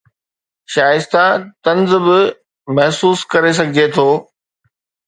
شائستہ طنز به محسوس ڪري سگھجي ٿو